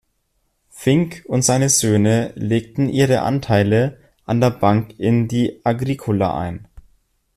Finck und seine Söhne legten ihre Anteile an der Bank in die Agricola ein.